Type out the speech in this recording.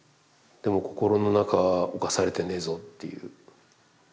でも心の中は侵されてねぇぞっていう。